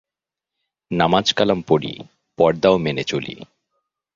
নামাজ-কালাম পড়ি, পর্দাও মেনে চলি।